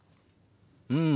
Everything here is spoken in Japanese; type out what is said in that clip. うん。